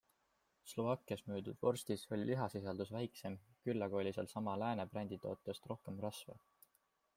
Slovakkias müüdud vorstis oli lihasisaldus väiksem, küll aga oli seal sama Lääne bränditootest rohkem rasva.